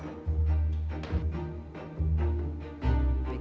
hidangan di rumpu rampe